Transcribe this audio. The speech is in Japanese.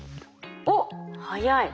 おっ速い。